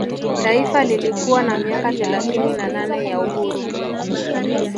Taifa lilikuwa na miaka thelathini na nane ya uhuru